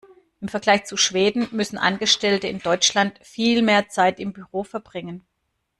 Im Vergleich zu Schweden müssen Angestellte in Deutschland viel mehr Zeit im Büro verbringen.